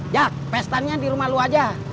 jak pestanya di rumah lu aja